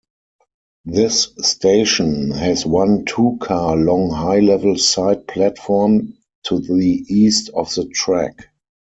This station has one two-car-long high-level side platform to the east of the track.